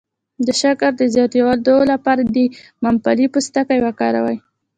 د شکر د زیاتیدو لپاره د ممپلی پوستکی وکاروئ